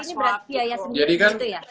tapi ini berarti ya ya sendiri gitu ya